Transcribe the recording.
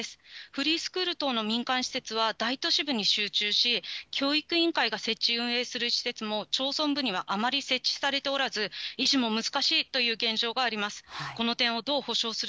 フリースクール等の民間施設は大都市部に集中し、教育委員会が設置、運営する施設も町村部にはあまり設置されておらず、維持も難しいという現状があります。